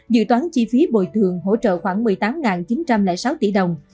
dự toán chi phí bồi thường hỗ trợ khoảng một mươi tám chín trăm linh sáu tỷ đồng